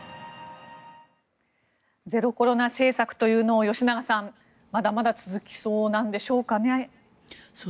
ゼロコロナ政策というのを吉永さんまだまだ続けそうなんですかね。